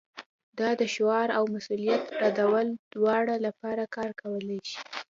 دا د شعار او مسؤلیت ردولو دواړو لپاره کار کولی شي